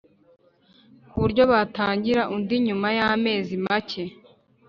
ku buryo batangira undi nyuma y’amezi make.